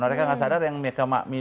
mereka tidak sadar yang mereka makminya